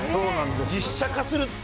実写化するって。